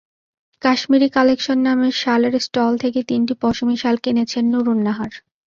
Kashmiri collection নামের শালের stall থেকে তিনটি পশমি শাল কিনেছেন নুরুন নাহার।